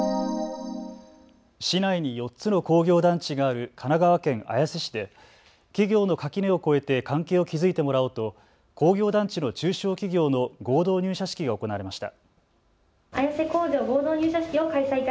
市内に４つの工業団地がある神奈川県綾瀬市で企業の垣根を越えて関係を築いてもらおうと工業団地の中小企業の合同入社式が行われました。